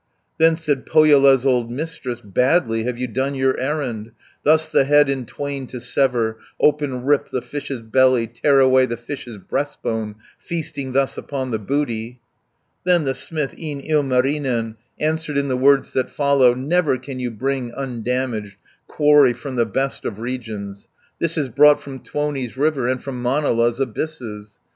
330 Then said Pohjola's old Mistress, "Badly have you done your errand, Thus the head in twain to sever, Open rip the fish's belly, Tear away the fish's breastbone, Feasting thus upon the booty." Then the smith, e'en Ilmarinen, Answered in the words that follow: "Never can you bring, undamaged, Quarry from the best of regions. 340 This is brought from Tuoni's river, And from Manala's abysses.